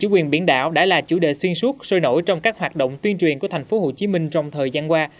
quyền biển đảo đã là chủ đề xuyên suốt sôi nổi trong các hoạt động tuyên truyền của tp hcm trong thời gian qua